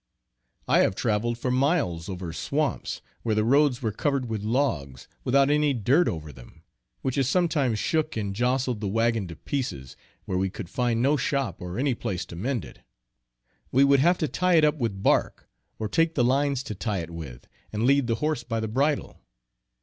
I have traveled for miles over swamps, where the roads were covered with logs, without any dirt over them, which has sometimes shook and jostled the wagon to pieces, where we could find no shop or any place to mend it. We would have to tie it up with bark, or take the lines to tie it with, and lead the horse by the bridle.